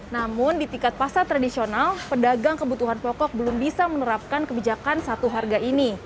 namun di tingkat pasar tradisional pedagang kebutuhan pokok belum bisa menerapkan kebijakan satu harga ini